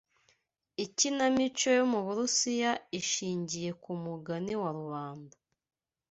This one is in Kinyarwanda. Ikinamico yo mu Burusiya ishingiye ku mugani wa rubanda